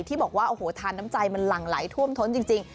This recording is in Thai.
ที่บอกว่าโอ้โหทานน้ำใจมันหลั่งไหลท่วมท้นจริง